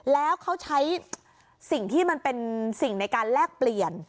แล้วเขาใช้สิ่งที่มันเป็นสิ่งในการแลกเปลี่ยน